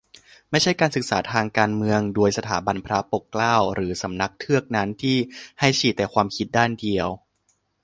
ไม่ใช่การศึกษาทางการเมือง โดย สถาบันพระปกเกล้า หรือสำนักเทือกนั้น ที่ให้ฉีดแต่ความคิดด้านเดียว